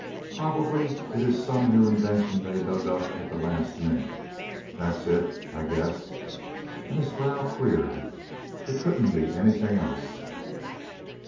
Probably it is some new invention they dug up at the last minute. That's it, I guess," and his brow cleared. "It couldn't be anything else."